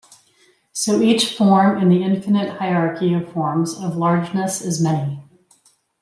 So each form in the infinite hierarchy of forms of largeness is many.